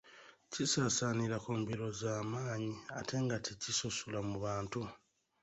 Kisaasaanira ku mbiro za maanyi ate nga tekisosola mu bantu.